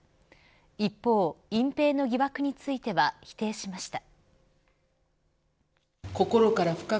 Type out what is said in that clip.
一方、隠蔽の疑惑については否定しました。